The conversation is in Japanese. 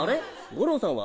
吾郎さんは？